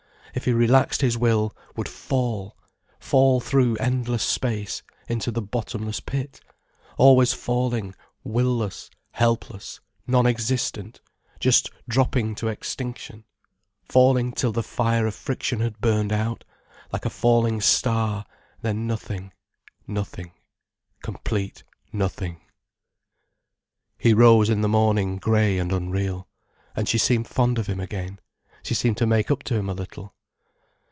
If he relaxed his will would fall, fall through endless space, into the bottomless pit, always falling, will less, helpless, non existent, just dropping to extinction, falling till the fire of friction had burned out, like a falling star, then nothing, nothing, complete nothing. He rose in the morning grey and unreal. And she seemed fond of him again, she seemed to make up to him a little.